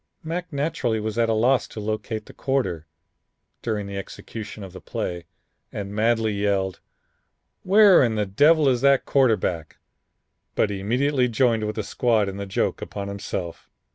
Mac naturally was at a loss to locate the quarter, during the execution of the play and madly yelled, 'Where in the devil is that quarterback?' But immediately joined with the squad in the joke upon himself."